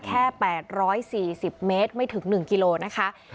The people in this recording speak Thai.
แค่๘๔๐เมตรไม่ถึง๑กิโลนะคะ